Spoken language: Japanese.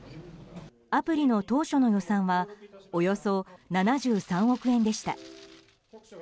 アプリの当初の予算はおよそ７３億円でした。